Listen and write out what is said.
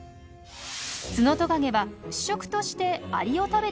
ツノトカゲは主食としてアリを食べていましたよね？